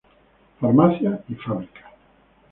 Farmacia y fábrica.